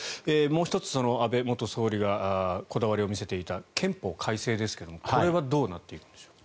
もう１つ、安倍元総理がこだわりを見せていた憲法改正ですがこれはどうなっていくでしょう。